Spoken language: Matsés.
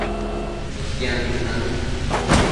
Mëquiadnun nanu